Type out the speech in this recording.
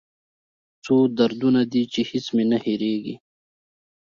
څو دردونه دي چې هېڅ مې نه هېریږي